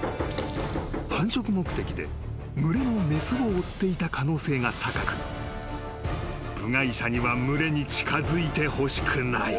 ［繁殖目的で群れの雌を追っていた可能性が高く部外者には群れに近づいてほしくない］